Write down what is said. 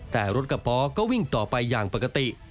แต่รถกระป๋อก็วิ่งต่อไปอย่างปกติ